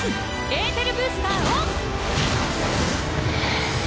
エーテルブースターオン！